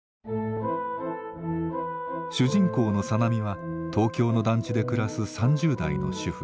主人公の小波は東京の団地で暮らす３０代の主婦。